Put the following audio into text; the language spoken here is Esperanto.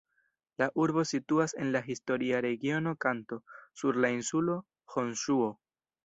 La urbo situas en la historia regiono Kanto, sur la insulo Honŝuo.